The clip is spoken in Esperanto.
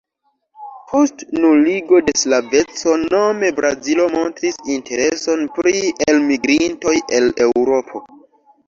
Post nuligo de sklaveco nome Brazilo montris intereson pri elmigrintoj el Eŭropo.